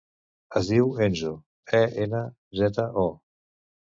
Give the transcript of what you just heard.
Es diu Enzo: e, ena, zeta, o.